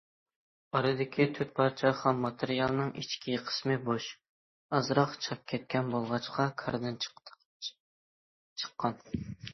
ئارىدىكى تۆت پارچە خام ماتېرىيالنىڭ ئىچكى قىسمى بوش، ئازراق چاك كەتكەن بولغاچقا كاردىن چىققان.